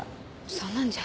そんなんじゃ。